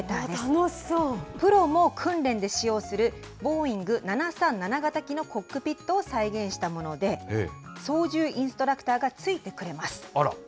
プロも訓練で使用する、ボーイング７３７型機のコックピットを再現したもので、操縦インストラクターがついてくれます。